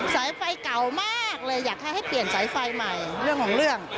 สายไฟเก่ามากเลยอยากให้เปลี่ยนสายไฟใหม่เรื่องของเรื่อง